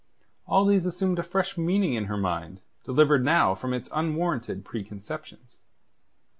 All these assumed a fresh meaning in her mind, delivered now from its unwarranted preconceptions.